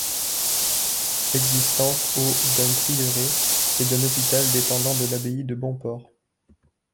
Existence au d'un prieuré et d'un hôpital dépendant de l'abbaye de Bonport.